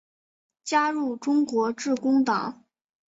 加入中国致公党。